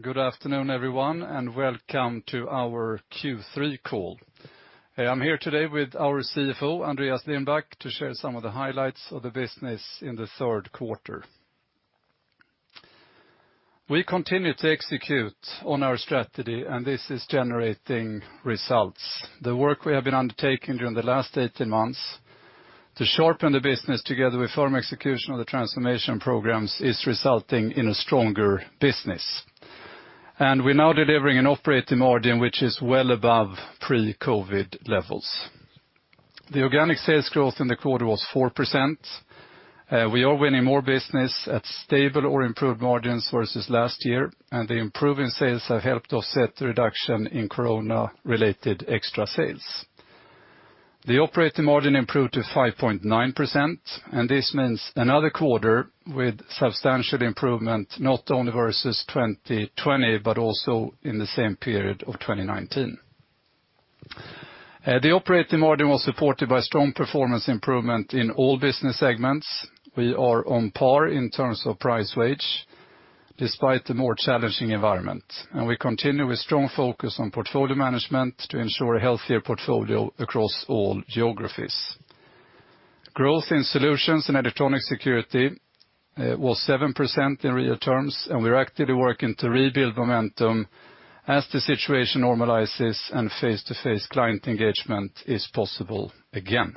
Good afternoon, everyone, and welcome to our Q3 call. I am here today with our CFO, Andreas Lindback, to share some of the highlights of the business in the third quarter. We continue to execute on our strategy, and this is generating results. The work we have been undertaking during the last 18 months to sharpen the business together with firm execution of the transformation programs is resulting in a stronger business. We're now delivering an operating margin which is well above pre-COVID levels. The organic sales growth in the quarter was 4%. We are winning more business at stable or improved margins versus last year, and the improving sales have helped offset the reduction in corona-related extra sales. The operating margin improved to 5.9%, and this means another quarter with substantial improvement, not only versus 2020, but also in the same period of 2019. The operating margin was supported by strong performance improvement in all business segments. We are on par in terms of price wage, despite the more challenging environment. We continue with strong focus on portfolio management to ensure a healthier portfolio across all geographies. Growth in solutions and electronic security was 7% in real terms, and we're actively working to rebuild momentum as the situation normalizes and face-to-face client engagement is possible again.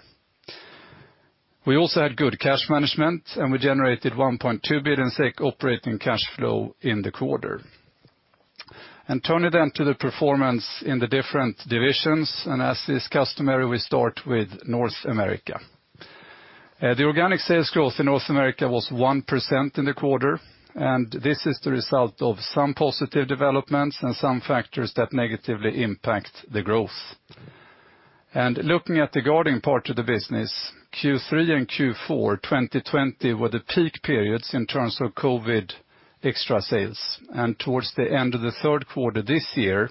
We also had good cash management, and we generated 1.2 billion SEK operating cash flow in the quarter. Turning then to the performance in the different divisions, and as is customary, we start with North America. The organic sales growth in North America was 1% in the quarter, and this is the result of some positive developments and some factors that negatively impact the growth. Looking at the guarding part of the business, Q3 and Q4, 2020 were the peak periods in terms of COVID extra sales. Towards the end of the third quarter this year,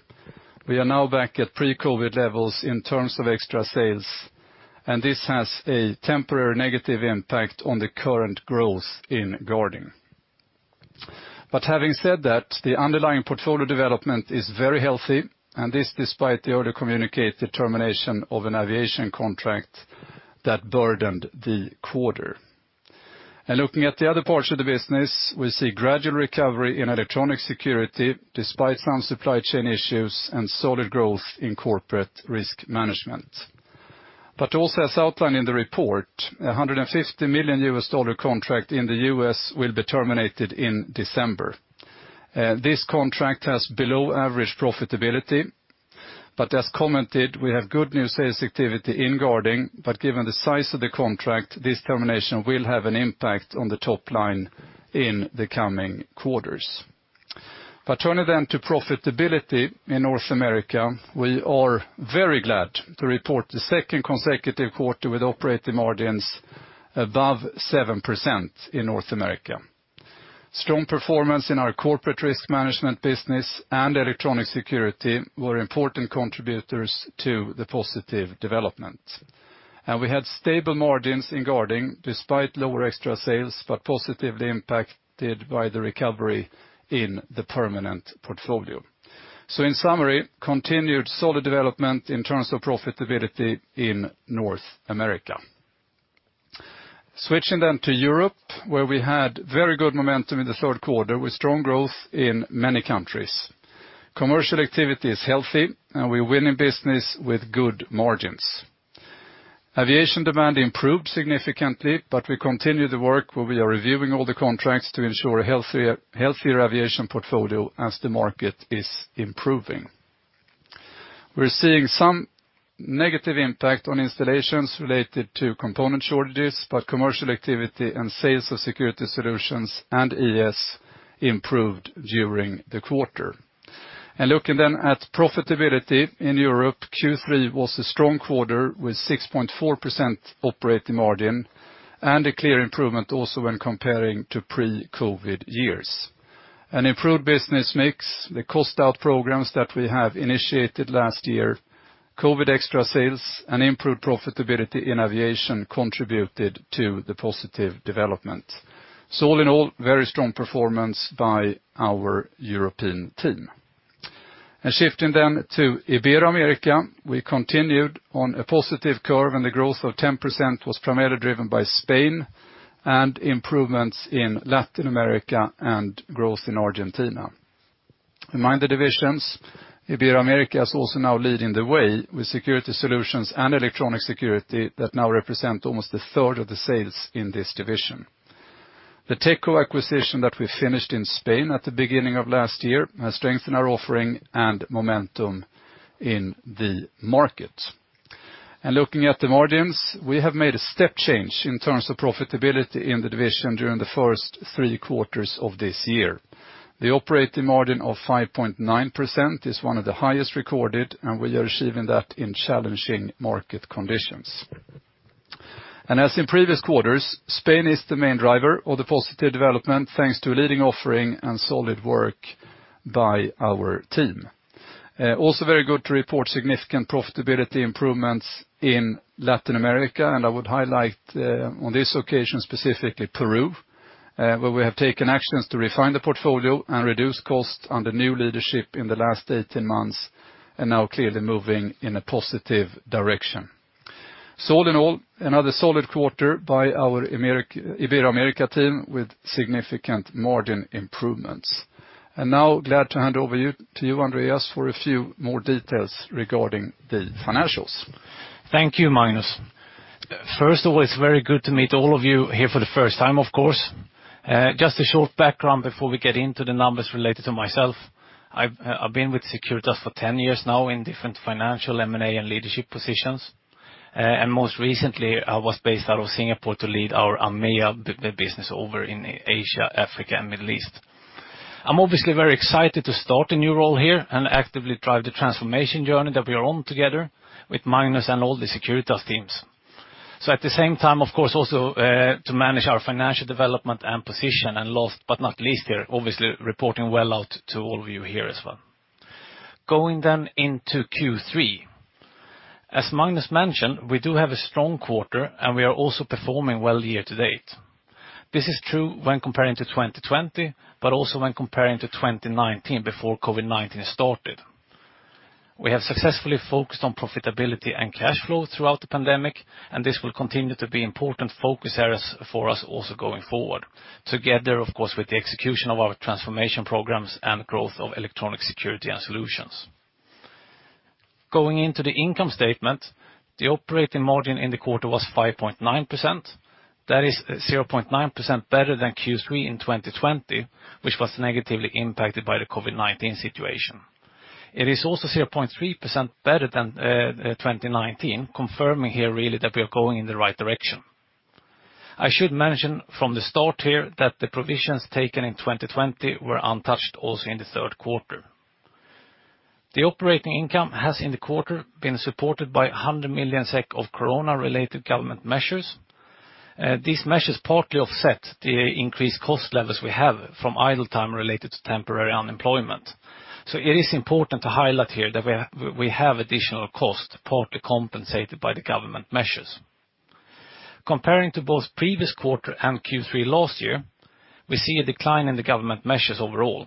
we are now back at pre-COVID levels in terms of extra sales, and this has a temporary negative impact on the current growth in guarding. Having said that, the underlying portfolio development is very healthy, and this despite the earlier communicated termination of an aviation contract that burdened the quarter. Looking at the other parts of the business, we see gradual recovery in electronic security despite some supply chain issues and solid growth in corporate risk management. Also as outlined in the report, a $150 million US dollar contract in the U.S. will be terminated in December. This contract has below average profitability, but as commented, we have good new sales activity in guarding. Given the size of the contract, this termination will have an impact on the top line in the coming quarters. Turning then to profitability in North America, we are very glad to report the second consecutive quarter with operating margins above 7% in North America. Strong performance in our corporate risk management business and electronic security were important contributors to the positive development. We had stable margins in guarding despite lower extra sales, but positively impacted by the recovery in the permanent portfolio. In summary, continued solid development in terms of profitability in North America. Switching then to Europe, where we had very good momentum in the third quarter with strong growth in many countries. Commercial activity is healthy, and we're winning business with good margins. Aviation demand improved significantly, but we continue the work where we are reviewing all the contracts to ensure a healthier aviation portfolio as the market is improving. We're seeing some negative impact on installations related to component shortages, but commercial activity and sales of security solutions and ES improved during the quarter. Looking then at profitability in Europe, Q3 was a strong quarter with 6.4% operating margin and a clear improvement also when comparing to pre-COVID years. An improved business mix, the cost out programs that we have initiated last year, COVID extra sales, and improved profitability in aviation contributed to the positive development. All in all, very strong performance by our European team. Shifting then to Ibero-America, we continued on a positive curve, and the growth of 10% was primarily driven by Spain and improvements in Latin America and growth in Argentina. Among the divisions, Ibero-America is also now leading the way with security solutions and electronic security that now represent almost a third of the sales in this division. The Techco acquisition that we finished in Spain at the beginning of last year has strengthened our offering and momentum in the market. Looking at the margins, we have made a step change in terms of profitability in the division during the first three quarters of this year. The operating margin of 5.9% is one of the highest recorded, and we are achieving that in challenging market conditions. In previous quarters, Spain is the main driver of the positive development, thanks to a leading offering and solid work by our team. Also very good to report significant profitability improvements in Latin America, and I would highlight, on this occasion, specifically Peru, where we have taken actions to refine the portfolio and reduce costs under new leadership in the last eighteen months and now clearly moving in a positive direction. All in all, another solid quarter by our Ibero-America team with significant margin improvements. Now glad to hand over to you, Andreas, for a few more details regarding the financials. Thank you, Magnus. First of all, it's very good to meet all of you here for the first time, of course. Just a short background before we get into the numbers related to myself. I've been with Securitas for 10 years now in different financial, M&A, and leadership positions. Most recently, I was based out of Singapore to lead our AMEA business over in Asia, Africa, and Middle East. I'm obviously very excited to start a new role here and actively drive the transformation journey that we are on together with Magnus and all the Securitas teams. At the same time, of course, also, to manage our financial development and position and last but not least here, obviously, reporting well out to all of you here as well. Going into Q3. As Magnus mentioned, we do have a strong quarter, and we are also performing well year to date. This is true when comparing to 2020, but also when comparing to 2019 before COVID-19 started. We have successfully focused on profitability and cash flow throughout the pandemic, and this will continue to be important focus areas for us also going forward. Together, of course, with the execution of our transformation programs and growth of electronic security and solutions. Going into the income statement, the operating margin in the quarter was 5.9%. That is 0.9% better than Q3 in 2020, which was negatively impacted by the COVID-19 situation. It is also 0.3% better than twenty nineteen, confirming here really that we are going in the right direction. I should mention from the start here that the provisions taken in 2020 were untouched also in the third quarter. The operating income has in the quarter been supported by 100 million SEK of corona-related government measures. These measures partly offset the increased cost levels we have from idle time related to temporary unemployment. It is important to highlight here that we have additional costs partly compensated by the government measures. Comparing to both previous quarter and Q3 last year, we see a decline in the government measures overall.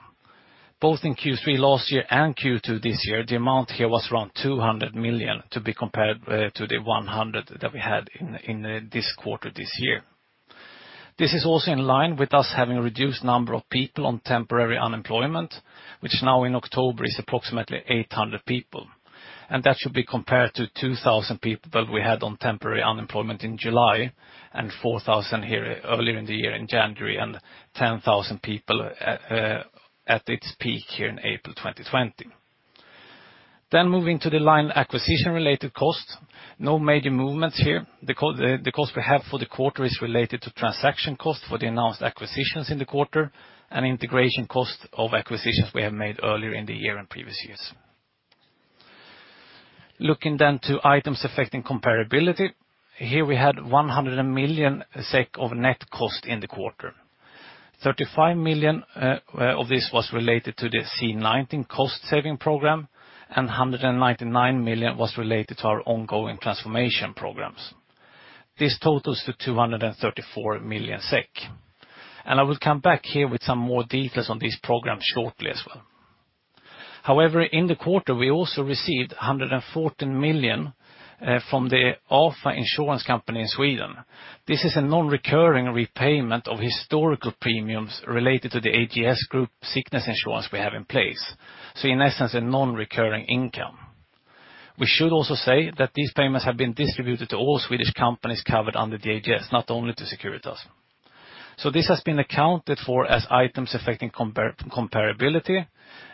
Both in Q3 last year and Q2 this year, the amount here was around 200 million to be compared to the 100 million that we had in this quarter this year. This is also in line with us having a reduced number of people on temporary unemployment, which now in October is approximately 800 people. That should be compared to 2,000 people that we had on temporary unemployment in July and 4,000 here earlier in the year in January, and 10,000 people at its peak here in April 2020. Moving to the line acquisition related cost. No major movements here. The cost we have for the quarter is related to transaction costs for the announced acquisitions in the quarter and integration cost of acquisitions we have made earlier in the year and previous years. Looking to items affecting comparability. Here we had 100 million SEK of net cost in the quarter. 35 million of this was related to the C-19 cost saving program, and 199 million was related to our ongoing transformation programs. This totals to 234 million SEK. I will come back here with some more details on this program shortly as well. However, in the quarter, we also received 114 million from the Afa Insurance Company in Sweden. This is a non-recurring repayment of historical premiums related to the AGS Group sickness insurance we have in place. In essence, a non-recurring income. We should also say that these payments have been distributed to all Swedish companies covered under the AGS, not only to Securitas. This has been accounted for as items affecting comparability,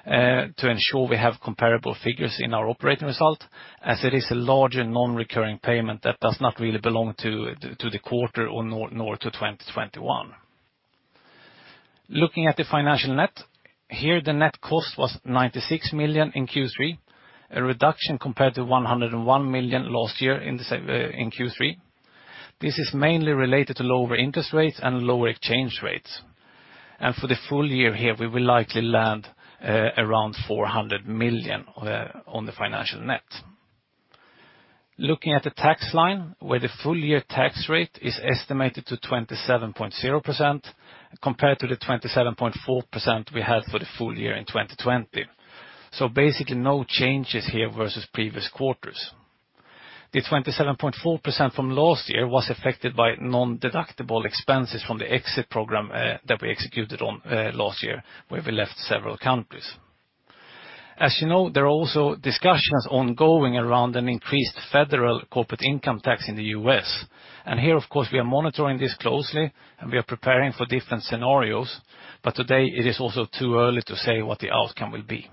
to ensure we have comparable figures in our operating result as it is a larger non-recurring payment that does not really belong to the quarter or to 2021. Looking at the financial net, here the net cost was 96 million in Q3, a reduction compared to 101 million last year in Q3. This is mainly related to lower interest rates and lower exchange rates. For the full year here, we will likely land around 400 million on the financial net. Looking at the tax line, where the full year tax rate is estimated to 27.0% compared to the 27.4% we had for the full year in 2020. Basically no changes here versus previous quarters. The 27.4% from last year was affected by non-deductible expenses from the exit program that we executed on last year, where we left several countries. As you know, there are also discussions ongoing around an increased federal corporate income tax in the U.S. Here of course, we are monitoring this closely, and we are preparing for different scenarios. Today it is also too early to say what the outcome will be.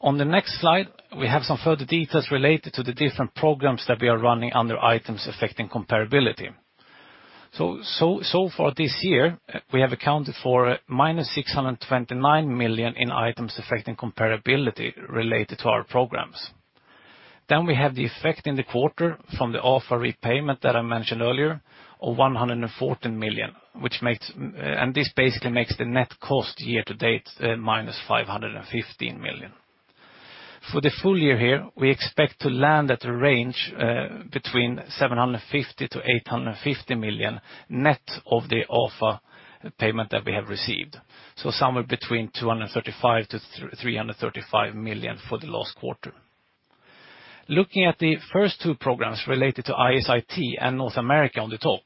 On the next slide, we have some further details related to the different programs that we are running under items affecting comparability. For this year, we have accounted for -629 million in items affecting comparability related to our programs. Then we have the effect in the quarter from the AFA repayment that I mentioned earlier of 114 million, which makes and this basically makes the net cost year to date, minus 515 million. For the full year here, we expect to land at a range between 750 million-850 million net of the AFA payment that we have received. Somewhere between 235 million-335 million for the last quarter. Looking at the first two programs related to IS/IT and North America on the top,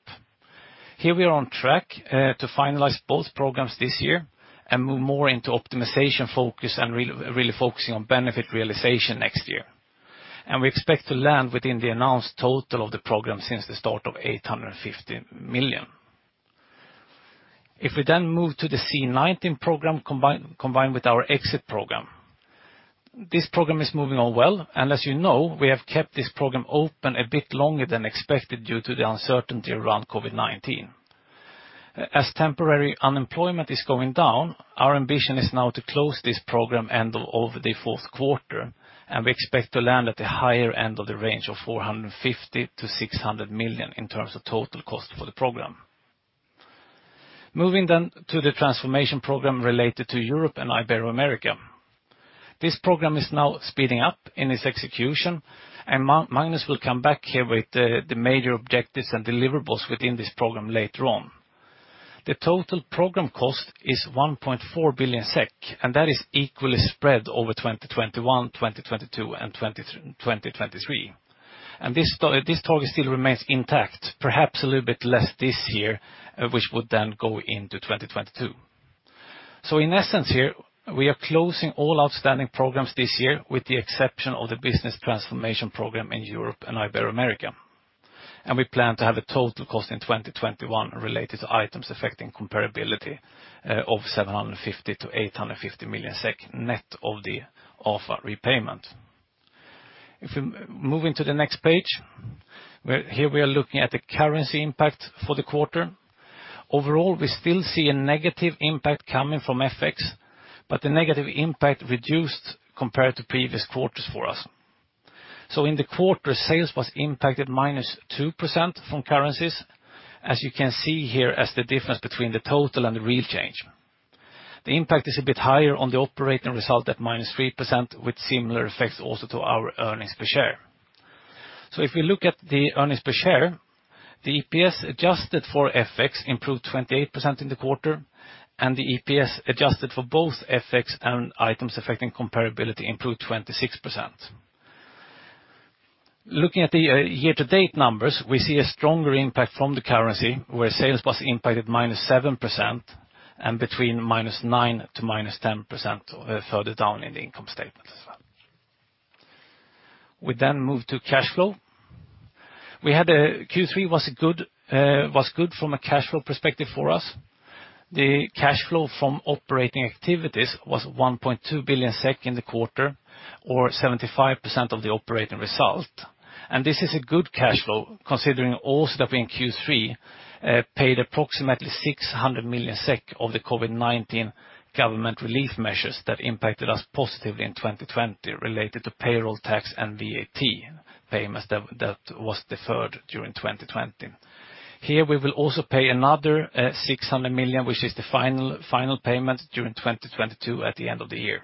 here we are on track to finalize both programs this year and move more into optimization focus and really focusing on benefit realization next year. We expect to land within the announced total of the program since the start of 850 million. If we then move to the C-19 program combined with our exit program. This program is moving on well, and as you know, we have kept this program open a bit longer than expected due to the uncertainty around COVID-19. As temporary unemployment is going down, our ambition is now to close this program end of the fourth quarter, and we expect to land at the higher end of the range of 450 million-600 million in terms of total cost for the program. Moving to the transformation program related to Europe and Ibero-America. This program is now speeding up in its execution, and Magnus will come back here with the major objectives and deliverables within this program later on. The total program cost is 1.4 billion SEK, and that is equally spread over 2021, 2022, and 2023. This target still remains intact, perhaps a little bit less this year, which would then go into 2022. In essence here, we are closing all outstanding programs this year with the exception of the business transformation program in Europe and Ibero-America. We plan to have a total cost in 2021 related to items affecting comparability of 750 million-850 million SEK net of the AFA repayment. If we move into the next page, here we are looking at the currency impact for the quarter. Overall, we still see a negative impact coming from FX, but the negative impact reduced compared to previous quarters for us. In the quarter, sales was impacted -2% from currencies, as you can see here as the difference between the total and the real change. The impact is a bit higher on the operating result at -3% with similar effects also to our earnings per share. If we look at the earnings per share, the EPS adjusted for FX improved 28% in the quarter, and the EPS adjusted for both FX and items affecting comparability improved 26%. Looking at the year to date numbers, we see a stronger impact from the currency where sales was impacted -7% and between -9% to -10%, further down in the income statement as well. We move to cash flow. Q3 was good from a cash flow perspective for us. The cash flow from operating activities was 1.2 billion SEK in the quarter or 75% of the operating result. This is a good cash flow considering also that in Q3 we paid approximately 600 million SEK of the COVID-19 government relief measures that impacted us positively in 2020 related to payroll tax and VAT payments that was deferred during 2020. Here, we will also pay another 600 million, which is the final payment during 2022 at the end of the year.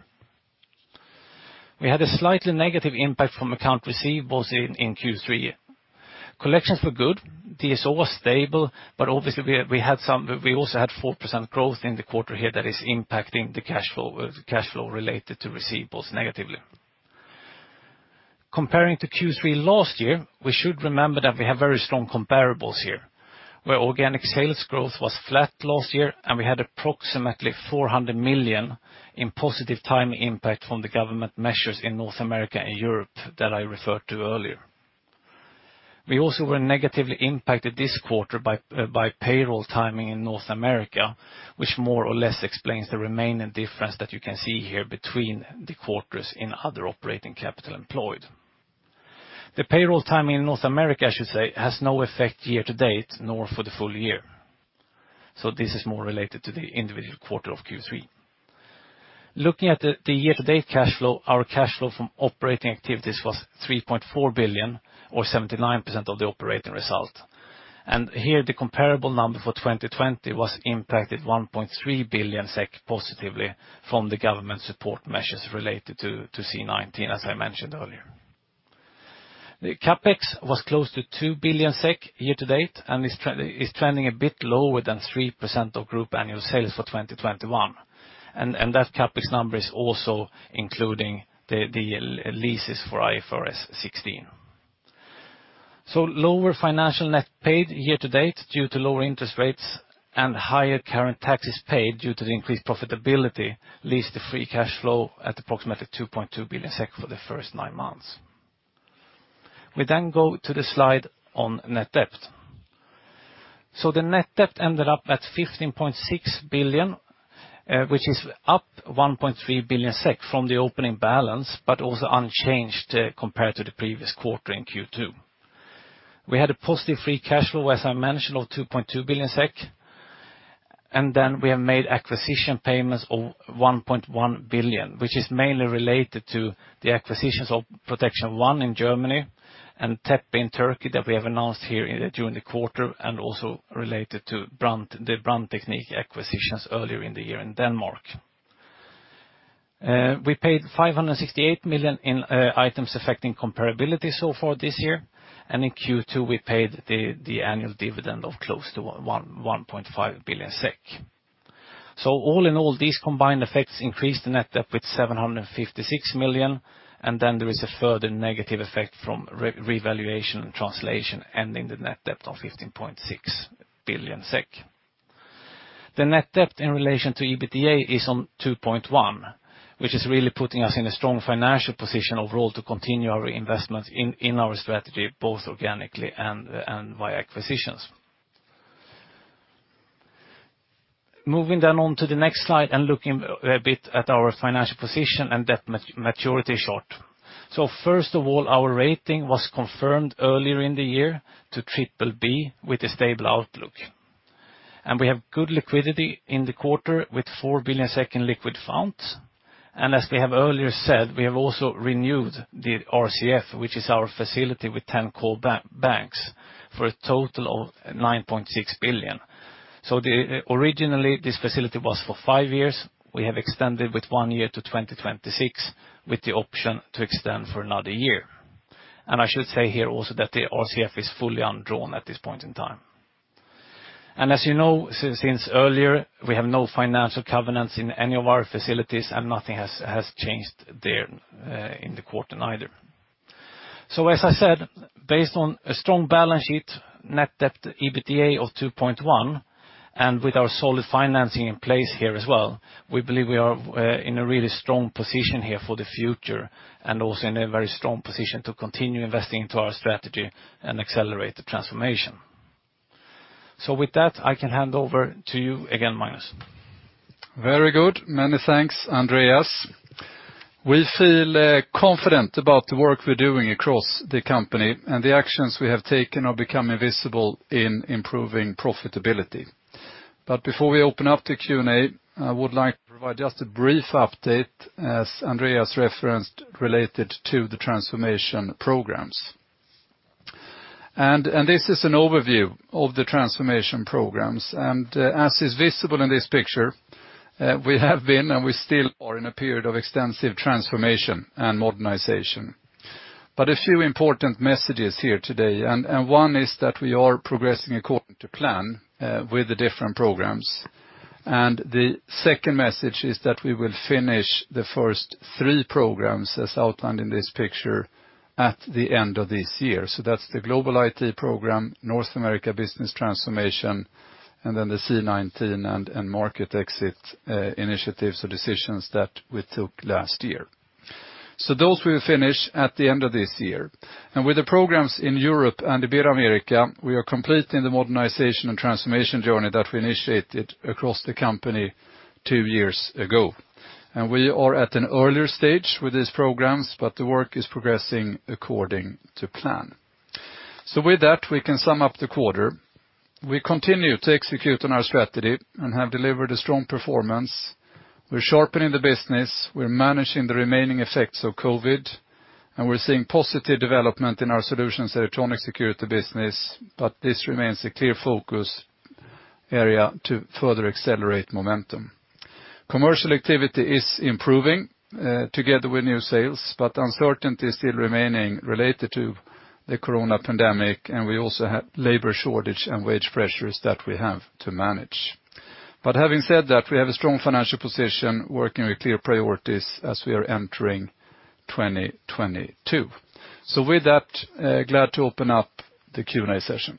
We had a slightly negative impact from accounts receivable in Q3. Collections were good. DSO was stable, but obviously we also had 4% growth in the quarter here that is impacting the cash flow related to receivables negatively. Comparing to Q3 last year, we should remember that we have very strong comparables here, where organic sales growth was flat last year, and we had approximately 400 million in positive timing impact from the government measures in North America and Europe that I referred to earlier. We also were negatively impacted this quarter by by payroll timing in North America, which more or less explains the remaining difference that you can see here between the quarters in other operating capital employed. The payroll timing in North America, I should say, has no effect year to date nor for the full year. This is more related to the individual quarter of Q3. Looking at the year to date cash flow, our cash flow from operating activities was 3.4 billion or 79% of the operating result. Here the comparable number for 2020 was impacted 1.3 billion SEK positively from the government support measures related to C-19, as I mentioned earlier. The CapEx was close to 2 billion SEK year to date and is trending a bit lower than 3% of group annual sales for 2021. That CapEx number is also including the leases for IFRS 16. Lower financial net paid year to date due to lower interest rates and higher current taxes paid due to the increased profitability leaves the free cash flow at approximately 2.2 billion SEK for the first nine months. We go to the slide on net debt. The net debt ended up at 15.6 billion, which is up 1.3 billion SEK from the opening balance, but also unchanged compared to the previous quarter in Q2. We had a positive free cash flow, as I mentioned, of 2.2 billion SEK. Then we have made acquisition payments of 1.1 billion, which is mainly related to the acquisitions of Protection One in Germany and Tepe in Turkey that we have announced during the quarter, and also related to Brandteknik acquisitions earlier in the year in Denmark. We paid 568 million in items affecting comparability so far this year. In Q2, we paid the annual dividend of close to 1.5 billion SEK. All in all, these combined effects increased the net debt with 756 million, and then there is a further negative effect from revaluation and translation, ending the net debt of 15.6 billion SEK. The net debt in relation to EBITDA is on 2.1, which is really putting us in a strong financial position overall to continue our investments in our strategy, both organically and via acquisitions. Moving on to the next slide and looking a bit at our financial position and debt maturity short. First of all, our rating was confirmed earlier in the year to BBB with a stable outlook. We have good liquidity in the quarter with 4 billion in liquid funds. We have earlier said, we have also renewed the RCF, which is our facility with 10 core banks, for a total of 9.6 billion. Originally, this facility was for five years. We have extended with one year to 2026, with the option to extend for another year. I should say here also that the RCF is fully undrawn at this point in time. As you know, since earlier, we have no financial covenants in any of our facilities, and nothing has changed there in the quarter neither. As I said, based on a strong balance sheet, net debt to EBITDA of 2.1, and with our solid financing in place here as well, we believe we are in a really strong position here for the future, and also in a very strong position to continue investing into our strategy and accelerate the transformation. With that, I can hand over to you again, Magnus. Very good. Many thanks, Andreas. We feel confident about the work we're doing across the company, and the actions we have taken are becoming visible in improving profitability. Before we open up to Q&A, I would like to provide just a brief update, as Andreas referenced, related to the transformation programs. This is an overview of the transformation programs. As is visible in this picture, we have been, and we still are in a period of extensive transformation and modernization. A few important messages here today. One is that we are progressing according to plan with the different programs. The second message is that we will finish the first three programs as outlined in this picture at the end of this year. That's the global IT program, North America business transformation, and then the COVID-19 and market exit initiatives or decisions that we took last year. Those we will finish at the end of this year. With the programs in Europe and Ibero-America, we are completing the modernization and transformation journey that we initiated across the company two years ago. We are at an earlier stage with these programs, but the work is progressing according to plan. With that, we can sum up the quarter. We continue to execute on our strategy and have delivered a strong performance. We're sharpening the business, we're managing the remaining effects of COVID, and we're seeing positive development in our solutions electronic security business, but this remains a clear focus area to further accelerate momentum. Commercial activity is improving, together with new sales, but uncertainty is still remaining related to the corona pandemic, and we also have labor shortage and wage pressures that we have to manage. Having said that, we have a strong financial position working with clear priorities as we are entering 2022. With that, I'm glad to open up the Q&A session.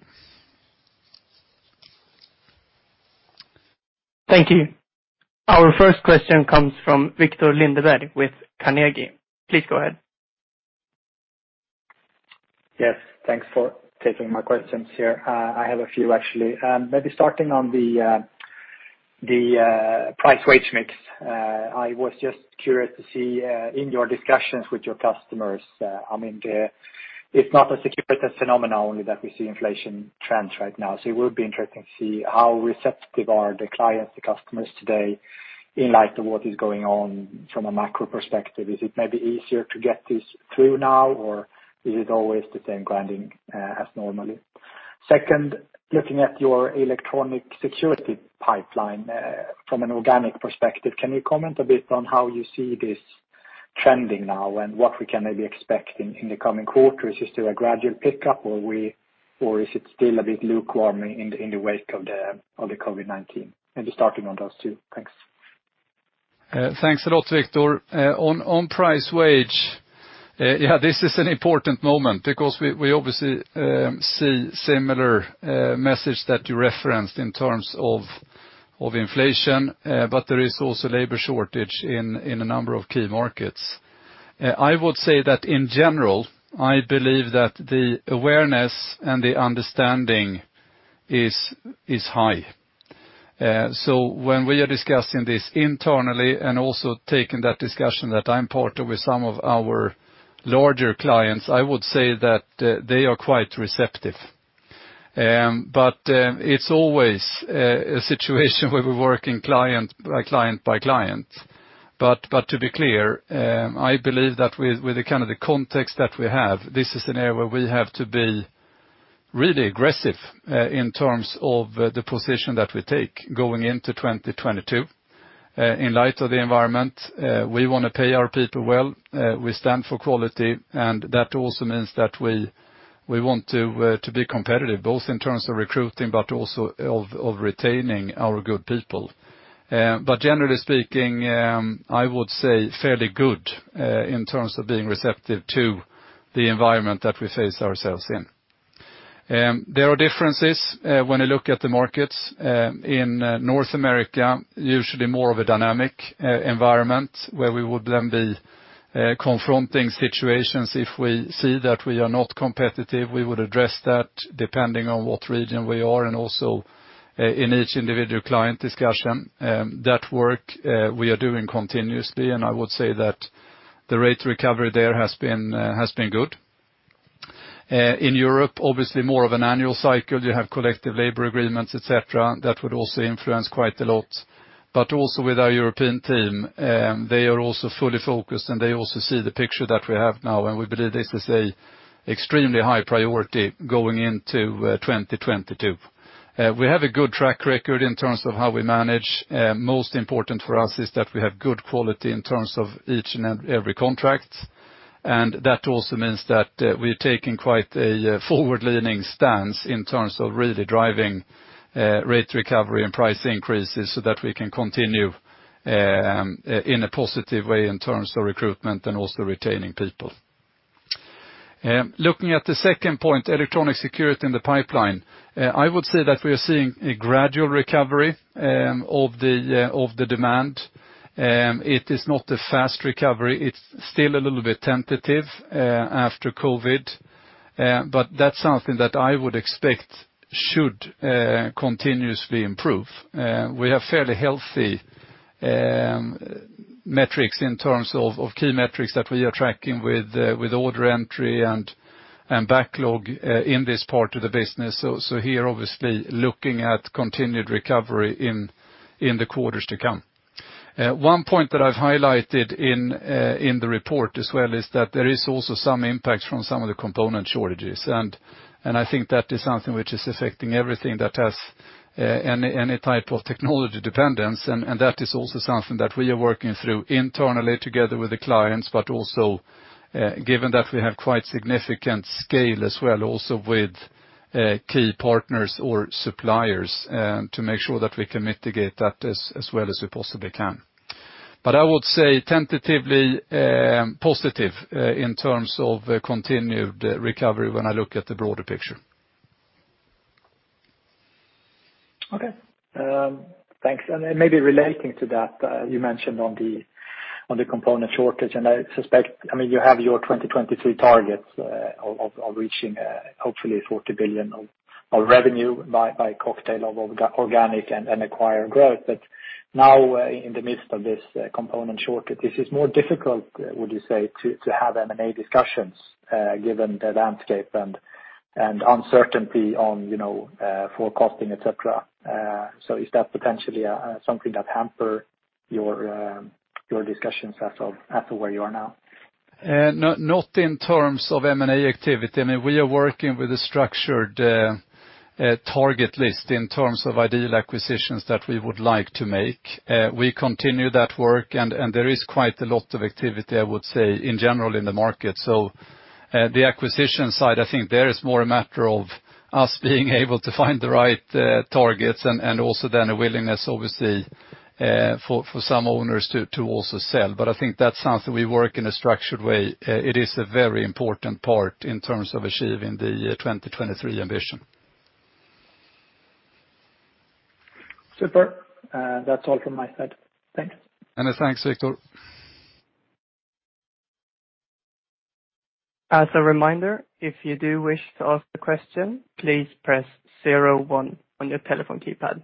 Thank you. Our first question comes from Viktor Lindeberg with Carnegie. Please go ahead. Yes, thanks for taking my questions here. I have a few actually. Maybe starting on the price wage mix. I was just curious to see in your discussions with your customers, I mean, it's not a Securitas phenomenon only that we see inflation trends right now. It would be interesting to see how receptive are the clients, the customers today in light of what is going on from a macro perspective. Is it maybe easier to get this through now, or is it always the same grinding as normally? Second, looking at your electronic security pipeline from an organic perspective, can you comment a bit on how you see this trending now and what we can maybe expect in the coming quarters? Is there a gradual pickup, or is it still a bit lukewarm in the wake of the COVID-19? Maybe starting on those two. Thanks. Thanks a lot, Viktor. On price/wage, yeah, this is an important moment because we obviously see similar message that you referenced in terms of inflation, but there is also labor shortage in a number of key markets. I would say that in general, I believe that the awareness and the understanding is high. When we are discussing this internally and also taking that discussion that I'm part of with some of our larger clients, I would say that they are quite receptive. It's always a situation where we're working client by client by client. To be clear, I believe that with the kind of the context that we have, this is an area where we have to be really aggressive in terms of the position that we take going into 2022. In light of the environment, we wanna pay our people well, we stand for quality, and that also means that we want to be competitive, both in terms of recruiting, but also of retaining our good people. Generally speaking, I would say fairly good in terms of being receptive to the environment that we face ourselves in. There are differences when I look at the markets in North America, usually more of a dynamic environment where we would then be confronting situations if we see that we are not competitive. We would address that depending on what region we are and also in each individual client discussion. That work we are doing continuously, and I would say that the rate recovery there has been good. In Europe, obviously more of an annual cycle. You have collective labor agreements, et cetera, that would also influence quite a lot. Also with our European team, they are also fully focused, and they also see the picture that we have now, and we believe this is a extremely high priority going into 2022. We have a good track record in terms of how we manage. Most important for us is that we have good quality in terms of each and every contract. That also means that we're taking quite a forward-leaning stance in terms of really driving rate recovery and price increases so that we can continue in a positive way in terms of recruitment and also retaining people. Looking at the second point, electronic security in the pipeline, I would say that we are seeing a gradual recovery of the demand. It is not a fast recovery. It's still a little bit tentative after COVID, but that's something that I would expect should continuously improve. We have fairly healthy metrics in terms of key metrics that we are tracking with order entry and backlog in this part of the business. So here, obviously looking at continued recovery in the quarters to come. One point that I've highlighted in the report as well is that there is also some impact from some of the component shortages. I think that is something which is affecting everything that has any type of technology dependence. That is also something that we are working through internally together with the clients, but also given that we have quite significant scale as well also with key partners or suppliers to make sure that we can mitigate that as well as we possibly can. I would say tentatively positive in terms of continued recovery when I look at the broader picture. Okay. Thanks. Maybe relating to that, you mentioned on the component shortage, and I suspect—I mean, you have your 2023 targets of reaching, hopefully 40 billion of revenue by cocktail of organic and acquired growth, but now, in the midst of this component shortage, is this more difficult, would you say, to have M&A discussions given the landscape and uncertainty on, you know, forecasting, et cetera? So is that potentially something that hamper your discussions as to where you are now? No, not in terms of M&A activity. I mean, we are working with a structured target list in terms of ideal acquisitions that we would like to make. We continue that work, and there is quite a lot of activity, I would say, in general in the market. The acquisition side, I think there is more a matter of us being able to find the right targets and also then a willingness obviously for some owners to also sell. I think that's something we work in a structured way. It is a very important part in terms of achieving the 2023 ambition. Super. That's all from my side. Thank you. Thanks, Viktor. As a reminder, if you do wish to ask a question, please press zero one on your telephone keypad.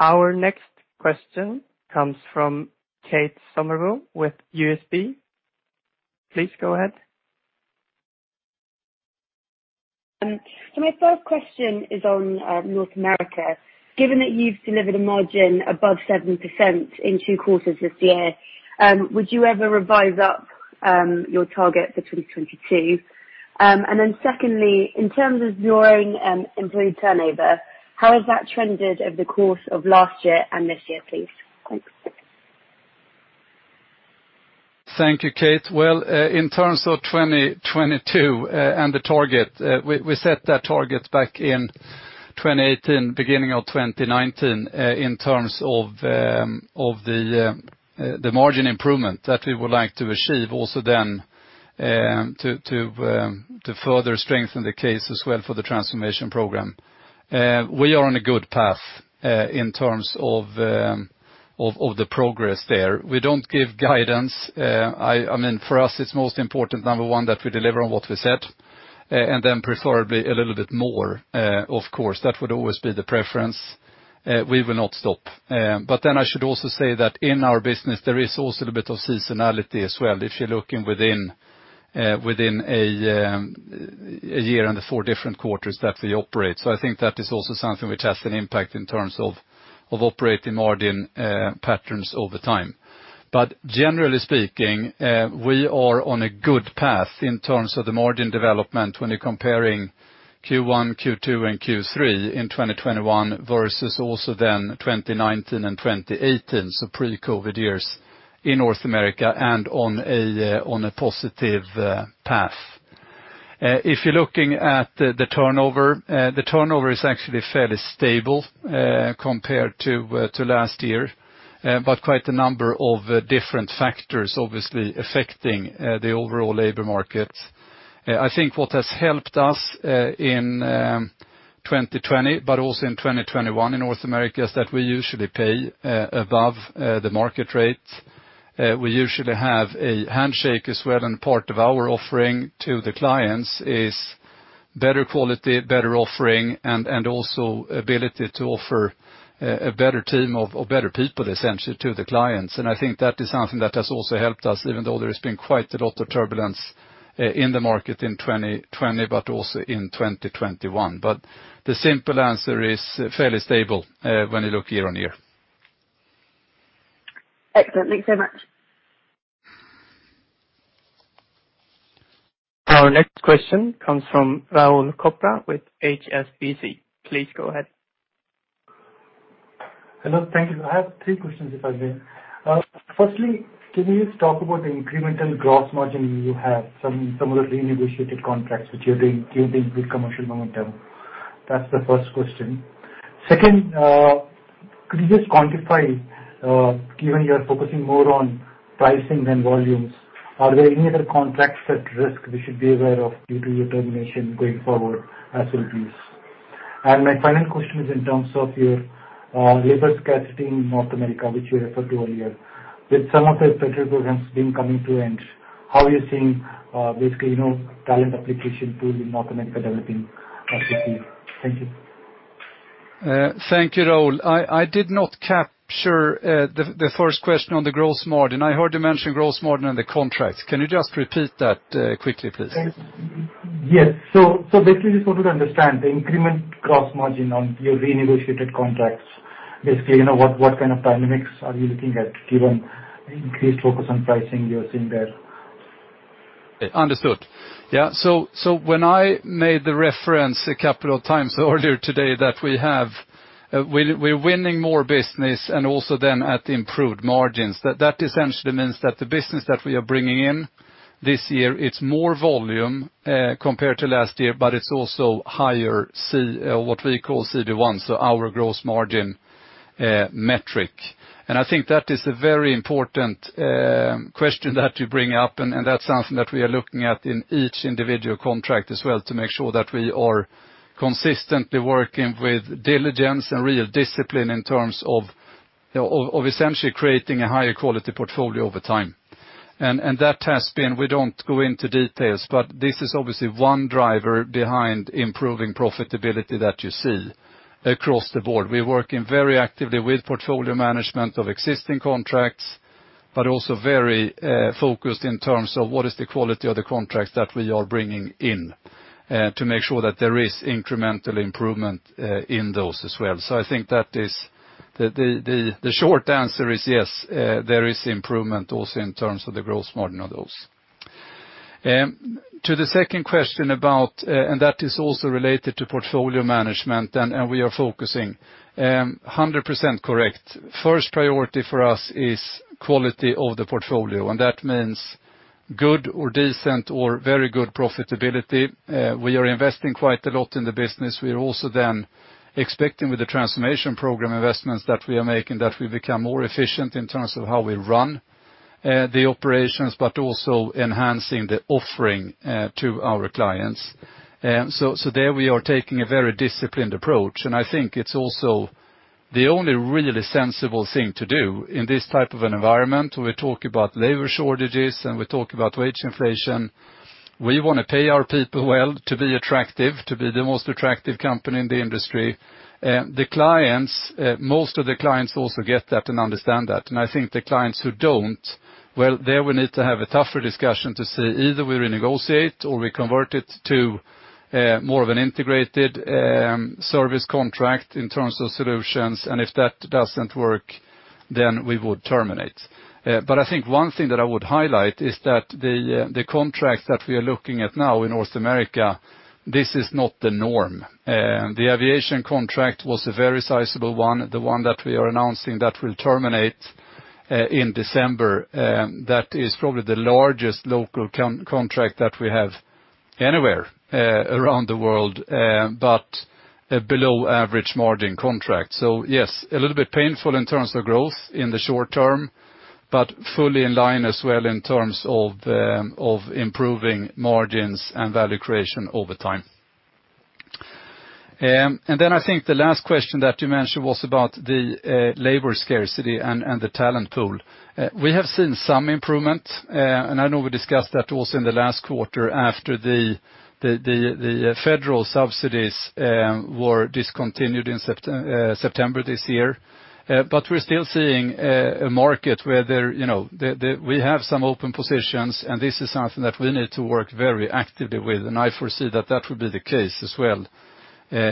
Our next question comes from Kate Somerville with UBS. Please go ahead. My first question is on North America. Given that you've delivered a margin above 7% in two quarters this year, would you ever revise up your target for 2022? Secondly, in terms of your own employee turnover, how has that trended over the course of last year and this year, please? Thanks. Thank you, Kate. Well, in terms of 2022, and the target, we set that target back in 2018, beginning of 2019, in terms of the margin improvement that we would like to achieve also then, to further strengthen the case as well for the transformation program. We are on a good path, in terms of the progress there. We don't give guidance. I mean, for us, it's most important, number one, that we deliver on what we said, and then preferably a little bit more, of course. That would always be the preference. We will not stop. I should also say that in our business, there is also a bit of seasonality as well. If you're looking within a year and the four different quarters that they operate. I think that is also something which has an impact in terms of operating margin patterns over time. Generally speaking, we are on a good path in terms of the margin development when you're comparing Q1, Q2, and Q3 in 2021 versus also then 2019 and 2018, so pre-COVID years in North America, and on a positive path. If you're looking at the turnover, the turnover is actually fairly stable compared to last year. But quite a number of different factors obviously affecting the overall labor market. I think what has helped us in 2020 but also in 2021 in North America is that we usually pay above the market rate. We usually have a handshake as well, and part of our offering to the clients is better quality, better offering, and also ability to offer a better team of better people, essentially, to the clients. I think that is something that has also helped us, even though there has been quite a lot of turbulence in the market in 2020, but also in 2021. The simple answer is fairly stable when you look year-on-year. Excellent. Thanks so much. Our next question comes from Rahul Chopra with HSBC. Please go ahead. Hello. Thank you. I have three questions, if I may. First, can you just talk about the incremental gross margin you have from some of the renegotiated contracts which you're doing, gaining good commercial momentum? That's the first question. Second, could you just quantify, given you're focusing more on pricing than volumes, are there any other contracts at risk we should be aware of due to your termination going forward as well, please? My final question is in terms of your labor scarcity in North America, which you referred to earlier. With some of the special programs coming to an end, how are you seeing, basically, talent applicant pool in North America developing as we speak? Thank you. Thank you, Rahul. I did not capture the first question on the gross margin. I heard you mention gross margin and the contracts. Can you just repeat that quickly, please? Yes. Basically just wanted to understand the increment gross margin on your renegotiated contracts. Basically, what kind of dynamics are you looking at given increased focus on pricing you're seeing there? Understood. Yeah. When I made the reference a couple of times earlier today that we are winning more business and also then at improved margins, that essentially means that the business that we are bringing in this year, it's more volume compared to last year, but it's also higher CD1, what we call CD1, so our gross margin metric. I think that is a very important question that you bring up, and that's something that we are looking at in each individual contract as well to make sure that we are consistently working with diligence and real discipline in terms of essentially creating a higher quality portfolio over time. We don't go into details, but this is obviously one driver behind improving profitability that you see across the board. We're working very actively with portfolio management of existing contracts, but also very focused in terms of what is the quality of the contracts that we are bringing in, to make sure that there is incremental improvement in those as well. I think the short answer is yes, there is improvement also in terms of the gross margin of those. To the second question about, and that is also related to portfolio management, and we are focusing 100% correct. First priority for us is quality of the portfolio, and that means good or decent or very good profitability. We are investing quite a lot in the business. We are also then expecting with the transformation program investments that we are making, that we become more efficient in terms of how we run the operations, but also enhancing the offering to our clients. There we are taking a very disciplined approach, and I think it's also the only really sensible thing to do in this type of environment. We talk about labor shortages, and we talk about wage inflation. We wanna pay our people well to be attractive, to be the most attractive company in the industry. The clients, most of the clients also get that and understand that. I think the clients who don't, well, there we need to have a tougher discussion to say either we renegotiate or we convert it to more of an integrated service contract in terms of solutions, and if that doesn't work, then we would terminate. But I think one thing that I would highlight is that the contracts that we are looking at now in North America, this is not the norm. The aviation contract was a very sizable one, the one that we are announcing that will terminate in December. That is probably the largest local contract that we have anywhere around the world, but a below average margin contract. Yes, a little bit painful in terms of growth in the short term, but fully in line as well in terms of of improving margins and value creation over time. And then I think the last question that you mentioned was about the labor scarcity and the talent pool. We have seen some improvement, and I know we discussed that also in the last quarter after the federal subsidies were discontinued in September this year. But we're still seeing a market where there you know the we have some open positions, and this is something that we need to work very actively with. I foresee that that will be the case as well